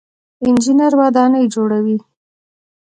انجنیر ودانۍ جوړوي.